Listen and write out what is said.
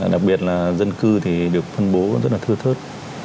đặc biệt là dân cư thì được phân bố cũng rất là thưa thớt